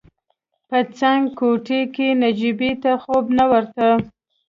په څنګ کوټې کې نجيبې ته خوب نه ورته.